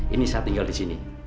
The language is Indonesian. ini saya tinggal di sini